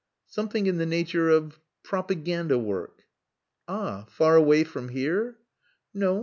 "Something in the nature of propaganda work." "Ah! Far away from here?" "No.